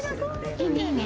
いいね、いいね。